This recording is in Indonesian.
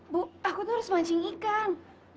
bu aku tuh harus mancing ikan